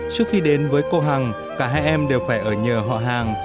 trước khi đến với cô hằng cả hai em đều phải ở nhờ họ hàng